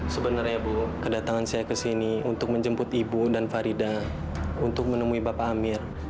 sebenarnya bu kedatangan saya ke sini untuk menjemput ibu dan farida untuk menemui bapak amir